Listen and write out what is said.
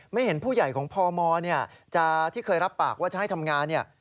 ไม่เห็นผู้ใหญ่ของพมที่เคยรับปากว่าจะให้ทำงานเนี่ย